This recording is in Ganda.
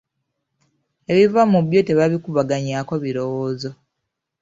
Ebiva mu byo tebabikubaganyaako birowoozo.